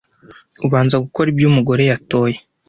ubanza gukora ibyo Umugore yatoye